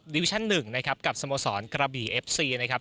วิชั่น๑นะครับกับสโมสรกระบี่เอฟซีนะครับ